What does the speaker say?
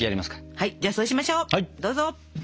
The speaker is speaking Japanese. はいじゃあそうしましょうどうぞ。